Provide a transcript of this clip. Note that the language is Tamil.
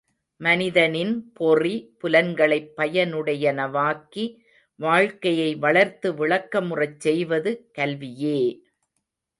மனிதனின் பொறி, புலன்களைப் பயனுடையனவாக்கி வாழ்க்கையை வளர்த்து விளக்கமுறச் செய்வது கல்வியே!